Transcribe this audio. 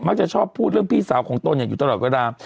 มักจะชอบพูดเรื่องพี่สาวของตนเนี่ยอยู่ตลอดก็ได้